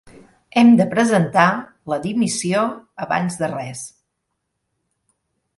Hem de presentar la dimissió abans de res.